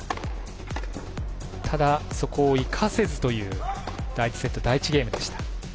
ただ、そこを生かせずという第１セット、第１ゲームでした。